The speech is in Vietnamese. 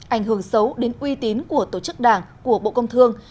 ảnh hưởng xấu đến uy tín của tổ chức đảng của bộ công thương